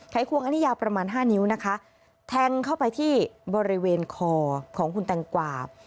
ควงอันนี้ยาวประมาณห้านิ้วนะคะแทงเข้าไปที่บริเวณคอของคุณแตงกวา